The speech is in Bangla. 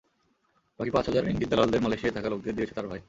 বাকি পাঁচ হাজার রিংগিত দালালদের মালয়েশিয়ায় থাকা লোকদের দিয়েছে তাঁর ভাই।